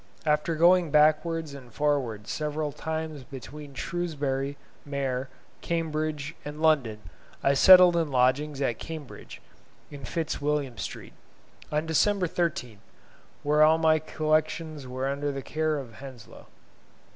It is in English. After going backwards and forwards several times between Shrewsbury, Maer, Cambridge, and London, I settled in lodgings at Cambridge (In Fitzwilliam Street.) on December 13th, where all my collections were under the care of Henslow.